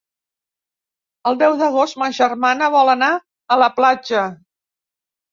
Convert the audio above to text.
El deu d'agost ma germana vol anar a la platja.